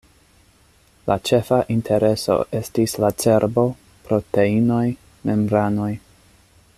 Lia ĉefa intereso estis la cerbo, proteinoj, membranoj.